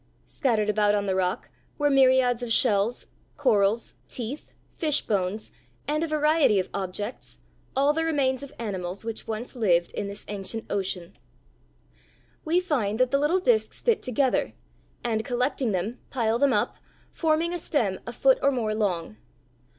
Scattered about on the rock were myriads of shells, corals, teeth, fish bones, and a variety of objects, all the remains of animals which once lived in this ancient ocean. We find that the little disks fit together, and collecting them, pile them up, forming a stem a foot or more long.